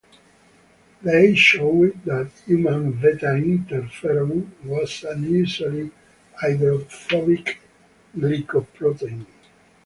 They showed that human beta interferon was an unusually hydrophobic glycoprotein.